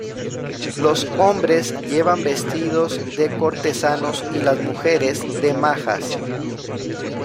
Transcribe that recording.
Los hombres llevan vestidos de cortesanos y las mujeres de majas.